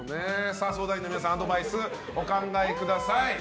相談員の皆さんアドバイスをお考えください。